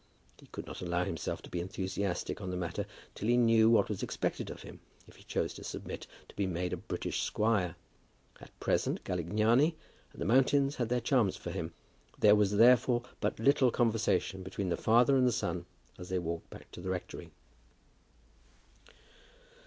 He could not allow himself to be enthusiastic on the matter till he knew what was expected of him if he chose to submit to be made a British squire. At present Galignani and the mountains had their charms for him. There was, therefore, but little conversation between the father and the son as they walked back to the rectory.